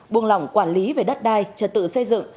buông lỏng quản lý về đất đai trật tự xây dựng